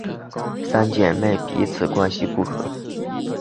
三姐妹彼此关系不和。